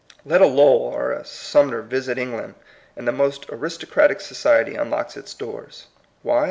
Let a Low ell or a Sumner visit England, and the most aristocratic society unlocks its doors. Why